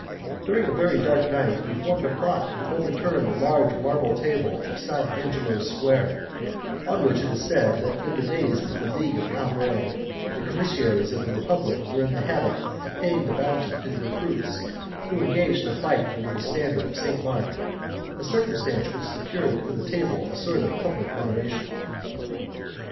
During a very dark night we formed a plot to overturn the large marble table of St. Angelo's Square, on which it was said that in the days of the League of Cambray the commissaries of the Republic were in the habit of paying the bounty to the recruits who engaged to fight under the standard of St. Mark a circumstance which secured for the table a sort of public veneration.